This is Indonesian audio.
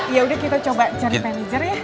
yaudah kita coba cari manajer ya